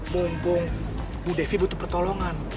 bung bu devi butuh pertolongan